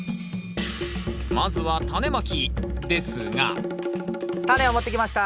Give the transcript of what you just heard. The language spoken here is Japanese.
まずはタネまきですがタネを持ってきました。